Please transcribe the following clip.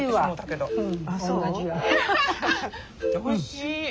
おいしいわ。